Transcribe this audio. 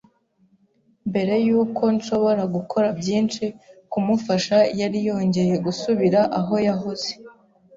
Mbere yuko nshobora gukora byinshi kumufasha yari yongeye gusubira aho yahoze,